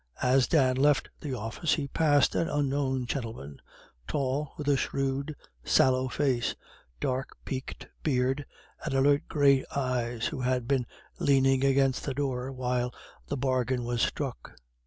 As Dan left the office he passed an unknown gentleman, tall, with a shrewd sallow face, dark, peaked beard, and alert grey eyes, who had been leaning against the door while the bargain was struck.